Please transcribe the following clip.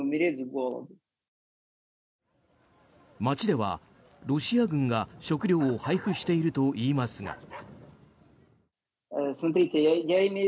街では、ロシア軍が食料を配布しているといいますが。